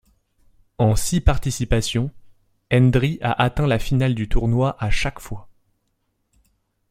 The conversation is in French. En six participations, Hendry a atteint la finale du tournoi à chaque fois.